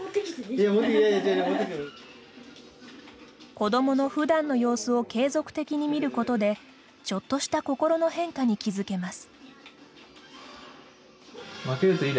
子どものふだんの様子を継続的に見ることでちょっとした心の変化に気付けます。